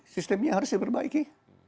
sistemnya harus diperbaiki